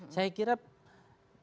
saya kira nanti dengan pdip